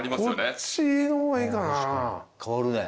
こっちの方がいいかな。